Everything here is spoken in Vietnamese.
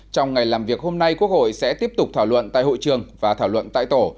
trong ngày làm việc hôm nay quốc hội sẽ tiếp tục thảo luận tại hội trường và thảo luận tại tổ